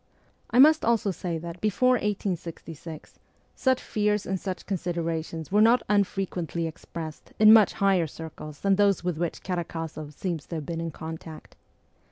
I must also say that before 1866 such fears and such considerations were not unfre quently expressed in much higher circles than those with which Karakozoff seems to have been in contact.